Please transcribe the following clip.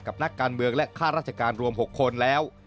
นักการเมืองและค่าราชการรวม๖คนแล้ว